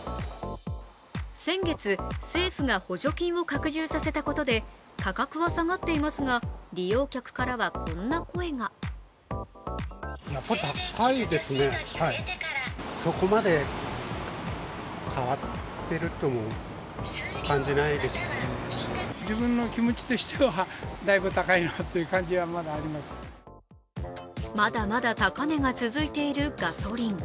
先月、政府が補助金を拡充させたことで価格は下がっていますが利用客からはこんな声がまだまだ高値が続いているガソリン。